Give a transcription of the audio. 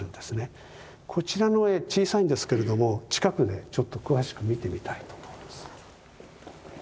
こちらの絵小さいんですけれども近くでちょっと詳しく見てみたいと思います。